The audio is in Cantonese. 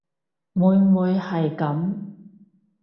會唔會係噉